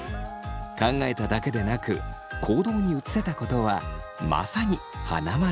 考えただけでなく行動に移せたことはまさにハナマルです。